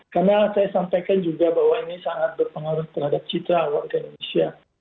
karena saya sampaikan juga bahwa ini sangat berpengaruh terhadap citra warga indonesia